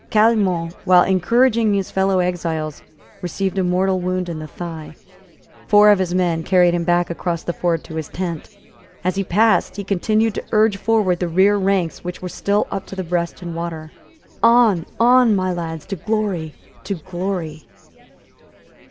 Caillemot, while encouraging his fellow exiles, received a mortal wound in the thigh. Four of his men carried him back across the ford to his tent. As he passed, he continued to urge forward the rear ranks which were still up to the breast in the water. "On; on; my lads: to glory; to glory."